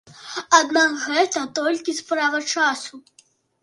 Аднак гэта толькі справа часу.